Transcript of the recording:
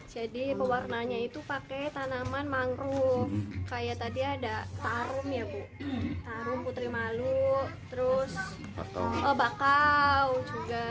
jadi pewarna nya itu pakai tanaman mangrove kayak tadi ada tarum ya bu putri malu bakau juga